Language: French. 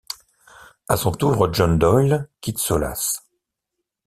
À son tour, John Doyle quitte Solas.